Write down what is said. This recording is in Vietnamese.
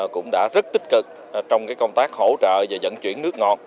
cũng đã rất tích cực trong công tác hỗ trợ và dẫn chuyển nước ngọt